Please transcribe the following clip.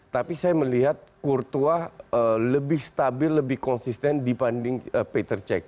tapi saya melihat kurtua lebih stabil lebih konsisten dibanding peter check